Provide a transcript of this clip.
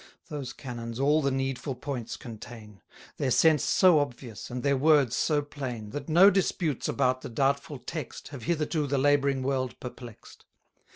Those canons all the needful points contain; Their sense so obvious, and their words so plain, That no disputes about the doubtful text Have hitherto the labouring world perplex'd.